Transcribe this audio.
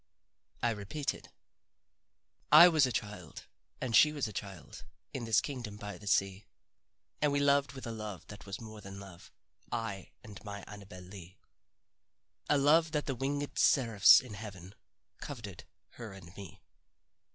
I repeated: "'I was a child, and she was a child, In this kingdom by the sea; And we loved with a love that was more than love, I and my Annabel Lee A love that the wingèd seraphs in heaven Coveted her and me.